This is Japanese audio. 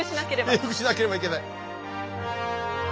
平伏しなければいけない。